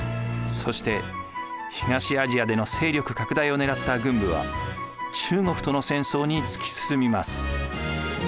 そして東アジアでの勢力拡大を狙った軍部は中国との戦争に突き進みます。